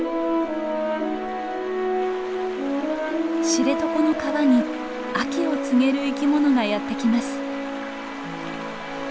知床の川に秋を告げる生きものがやって来ます。